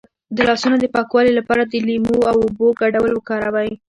د لاسونو د پاکوالي لپاره د لیمو او اوبو ګډول وکاروئ